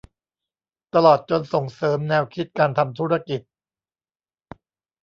ตลอดจนส่งเสริมแนวคิดการทำธุรกิจ